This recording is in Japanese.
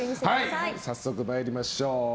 早速参りましょう。